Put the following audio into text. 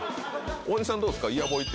大西さんどうですか？